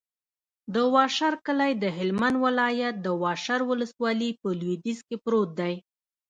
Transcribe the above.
د واشر کلی د هلمند ولایت، واشر ولسوالي په لویدیځ کې پروت دی.